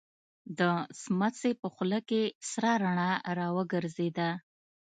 د سمڅې په خوله کې سره رڼا را وګرځېده.